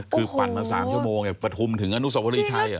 คือปั่นมา๓ชั่วโมงปฐุมถึงอนุสวรีชัย